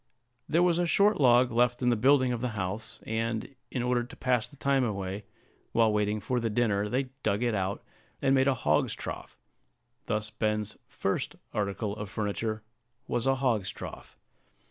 There was a short log left in the building of the house, and, in order to pass the time away, while waiting for the dinner, they dug it out, and made a hog's trough: thus Ben's first article of furniture was a hog's trough.